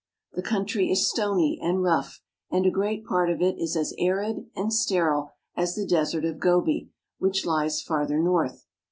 The country is stony and rough, and a great part of it is as arid and sterile as the Desert of Gobi, which Ues farther north.